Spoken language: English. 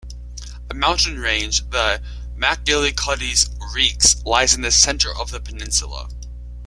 A mountain range, the Macgillycuddy's Reeks, lies in the centre of the peninsula.